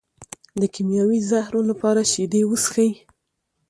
د کیمیاوي زهرو لپاره شیدې وڅښئ